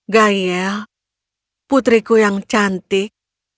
gayel putriku yang cantik